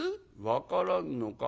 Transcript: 「分からぬのか？」。